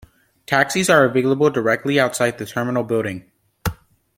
Taxis are available directly outside the terminal building.